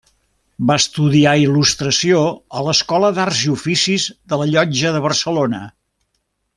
Va estudiar il·lustració a l’Escola d’Arts i Oficis de la Llotja de Barcelona.